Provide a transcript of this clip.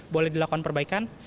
boleh dilakukan perbaikan